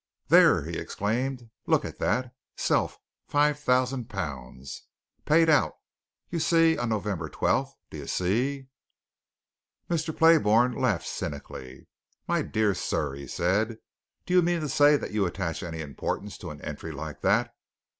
"There!" he exclaimed. "Look at that. 'Self, £5,000.' Paid out, you see, on November 12th. Do you see?" Mr. Playbourne laughed cynically. "My dear sir!" he said. "Do you mean to say that you attach any importance to an entry like that?